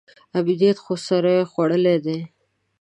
امنیت خو سر خوړلی دی.